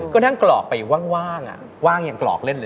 ก็ทั้งกรอกไปว่างอ่ะว่างอย่างกรอกเล่นเลย